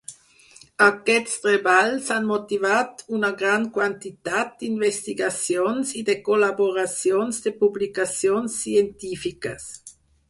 Aquests treballs han motivat una gran quantitat d'investigacions i de col·laboracions de publicacions científiques.